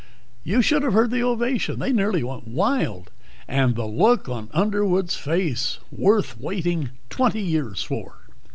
You should have heard the ovation they nearly went wild! And the look on Underwood's face! Worth waiting twenty years for."